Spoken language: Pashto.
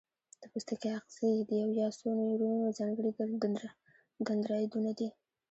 د پوستکي آخذې د یو یا څو نیورونونو ځانګړي دندرایدونه دي.